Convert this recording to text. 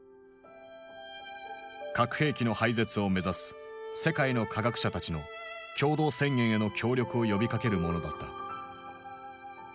核兵器の廃絶を目指す世界の科学者たちの共同宣言への協力を呼びかけるものだった。